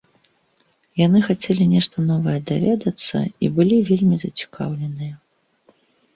Яны хацелі нешта новае даведацца і былі вельмі зацікаўленыя.